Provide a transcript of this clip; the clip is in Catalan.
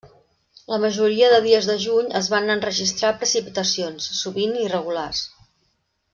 La majoria de dies de juny es van enregistrar precipitacions, sovint irregulars.